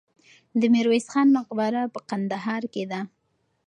د میرویس خان مقبره په کندهار کې ده.